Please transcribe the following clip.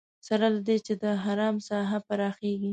سره له دې چې د حرم ساحه پراخېږي.